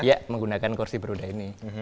ya menggunakan kursi beruda ini